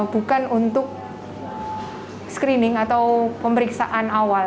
bukan untuk screening atau pemeriksaan awal